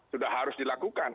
sudah harus dilakukan